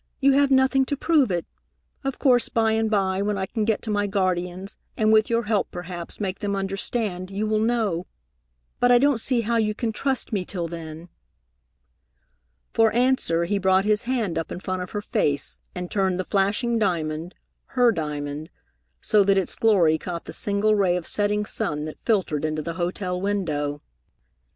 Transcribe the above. You have nothing to prove it. Of course, by and by, when I can get to my guardians, and with your help perhaps make them understand, you will know, but I don't see how you can trust me till then." For answer he brought his hand up in front of her face and turned the flashing diamond her diamond so that its glory caught the single ray of setting sun that filtered into the hotel window.